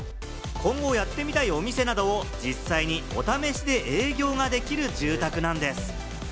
今後やってみたいお店などを実際にお試しで営業ができる住宅なんです。